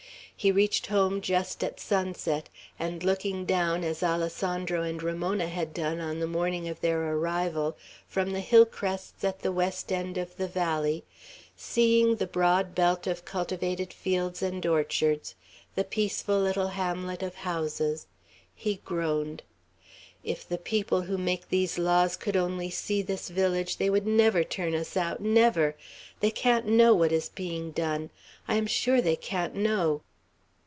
He reached home just at sunset; and looking down, as Alessandro and Ramona had done on the morning of their arrival, from the hillcrests at the west end of the valley, seeing the broad belt of cultivated fields and orchards, the peaceful little hamlet of houses, he groaned. "If the people who make these laws could only see this village, they would never turn us out, never! They can't know what is being done. I am sure they can't know."